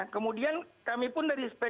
kemudian kami pun dari pks siap maju